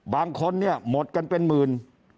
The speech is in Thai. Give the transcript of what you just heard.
บางคนหมดกันเป็นหมื่น